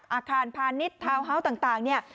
อาคารพานิตทาวน์ฮาวต่างเนี่ย